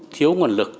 thiếu nguồn lực